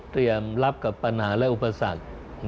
เตรียมรับกับปัญหาและอุปสรรค